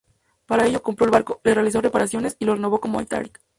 Para ello, compró el barco, le realizó reparaciones y lo renombró como "Antarctic".